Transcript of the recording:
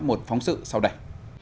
một phóng sự sau đây